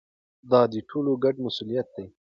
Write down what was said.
دا د ټولو ګډ مسؤلیت دی.